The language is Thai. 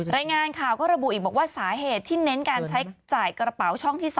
รายงานข่าวก็ระบุอีกบอกว่าสาเหตุที่เน้นการใช้จ่ายกระเป๋าช่องที่๒